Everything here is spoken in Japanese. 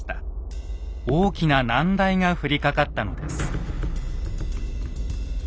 大きな難題が降りかかったのです。